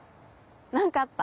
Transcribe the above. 何かあった？